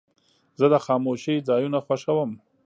زه د خاموشۍ ځایونه خوښوم.